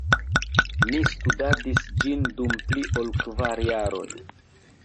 Mi studadis ĝin dum pli ol kvar jaroj.